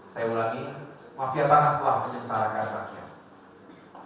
saya ulangi mafiatan itu menyesalakan rakyat